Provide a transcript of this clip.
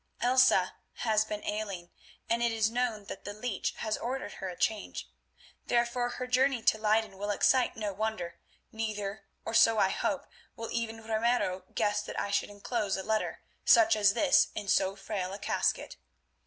Elsa has been ailing, and it is known that the leech has ordered her a change. Therefore her journey to Leyden will excite no wonder, neither, or so I hope, will even Ramiro guess that I should enclose a letter such as this in so frail a casket.